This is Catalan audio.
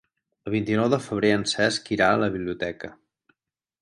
El vint-i-nou de febrer en Cesc irà a la biblioteca.